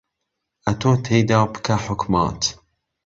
ئهتۆ تێیدا پکه حوکمات